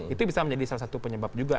itu bisa menjadi salah satu penyebab juga